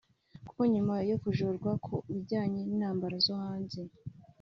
kuko nyuma yo kujorwa ku bijyanye n’intambara zo hanze